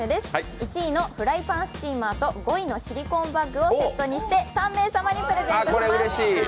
１位のフライパンスチーマーと５位のシリコーンバッグをセットにして３名様にプレゼントします。